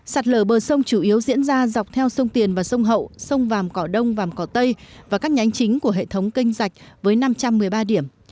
sạt lở bờ sông chủ yếu diễn ra dọc theo sông tiền và sông hậu sông vàm cỏ đông vàm cỏ tây và các nhánh chính của hệ thống canh rạch với năm trăm một mươi ba điểm